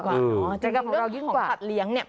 คุณต้องการอะไร